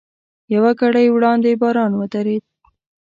یوه ګړۍ وړاندې باران ودرېد.